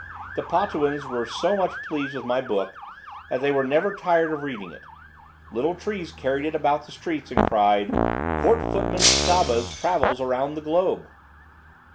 The Potuans were so much pleased with my book that they were never tired of reading it. Little trees carried it about the streets and cried: "Court footman Skabba's Travels around the Globe."